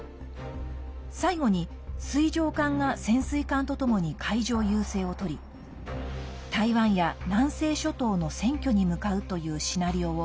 最後に、水上艦が潜水艦とともに海上優勢を取り台湾や南西諸島の占拠に向かうというシナリオを